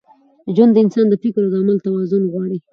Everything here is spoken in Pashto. ژوند د انسان د فکر او عمل توازن غواړي.